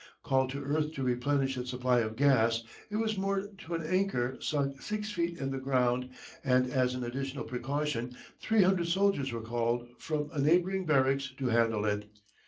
Called to earth to replenish its supply of gas it was moored to an anchor sunk six feet in the ground, and as an additional precaution three hundred soldiers were called from a neighbouring barracks to handle it.